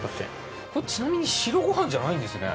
これちなみに白ご飯じゃないんですね。